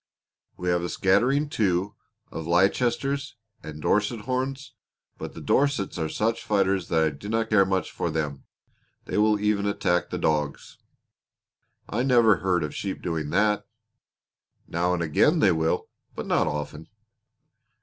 We have a scattering, too, of Leicesters and Dorset Horns, but the Dorsets are such fighters that I dinna care much for them. They will even attack the dogs." "I never heard of sheep doing that!" "Now and again they will, but not often."